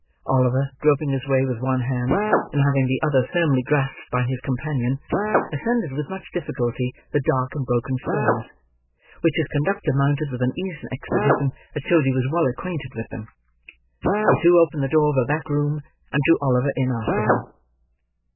Oliver, groping his way with one hand, and having the other firmly grasped by his companion, ascended with much difficulty the dark and broken stairs: which his conductor mounted with an ease and expedition that showed he was well acquainted with them. He threw open the door of a back room, and drew Oliver in after him.